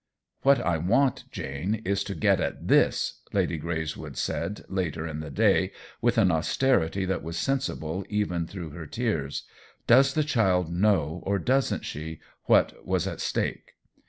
"What I want, Jane, is to get at ////>,'* Lady Greyswood said, later in the day, with an austerity that was sensible even through her tears. " Does the child know, or doesn't she, what was at stake